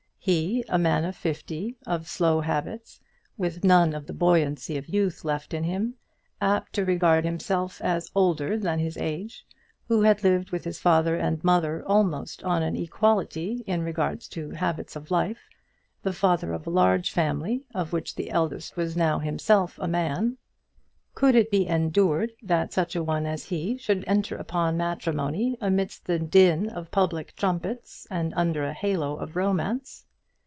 He, a man of fifty, of slow habits, with none of the buoyancy of youth left in him, apt to regard himself as older than his age, who had lived with his father and mother almost on an equality in regard to habits of life, the father of a large family, of which the eldest was now himself a man! Could it be endured that such a one as he should enter upon matrimony amidst the din of public trumpets and under a halo of romance?